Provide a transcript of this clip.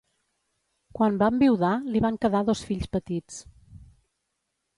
Quan va enviudar li van quedar dos fills petits.